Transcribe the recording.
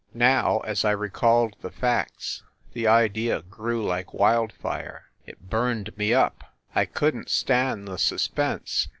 Now, as I recalled the facts, the idea grew like wildfire it burned me up ! I couldn t stand the suspense.